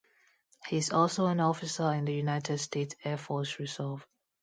He is also an officer in the United States Air Force Reserve.